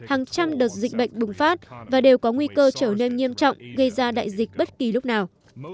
ngoài ra ông christopher dye cũng nhắc đến đại dịch bệnh bùng phát và đều có nguy cơ trở nên nghiêm trọng gây ra đại dịch bất kỳ lúc nào